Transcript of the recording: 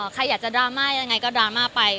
ใครอยากจะดราม่ายังไงก็ดราม่าไป